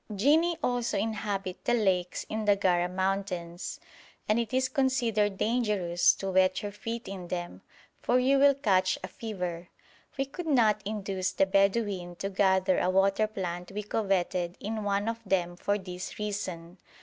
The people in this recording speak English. Jinni also inhabit the lakes in the Gara mountains, and it is considered dangerous to wet your feet in them, for you will catch a fever. We could not induce the Bedouin to gather a water plant we coveted in one of them for this reason.